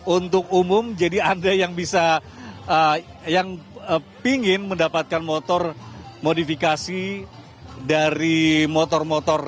untuk umum jadi anda yang bisa yang pingin mendapatkan motor modifikasi dari motor motor